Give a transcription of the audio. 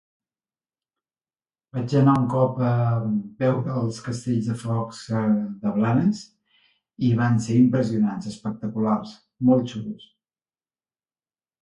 Vaig anar un cop a veure els castells de focs de de Blanes i van ser impressionants, espectaculars, molt xulos.